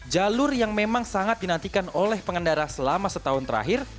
jalur yang memang sangat dinantikan oleh pengendara selama setahun terakhir